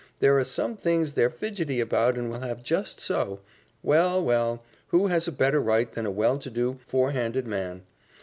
There are some things they're fidgety about and will have just so. Well, well, who has a better right than a well to do, fore handed man?